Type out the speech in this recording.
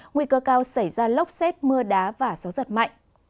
nguy cơ cao xảy ra lốc xét mưa đá và gió giật mạnh